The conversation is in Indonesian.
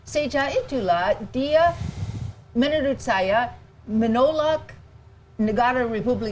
sejak itulah dia menurut saya menolak negara republik